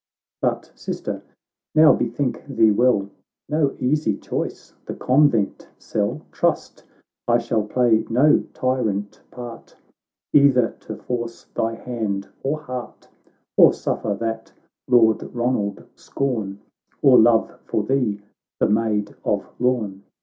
— But, sister, now bethink thee well ; No easy choice the convent cell ; Trust, I shall play no tyrant part, Either to force thy band or heart, Or suffer that Lord Ronald scorn, Or wrong for thee, the Maid of Lorn.